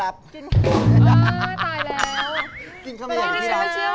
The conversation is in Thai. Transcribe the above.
อ้าวตายแล้ว